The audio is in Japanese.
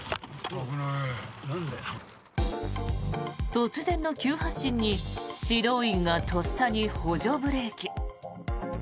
突然の急発進に指導員がとっさに補助ブレーキ。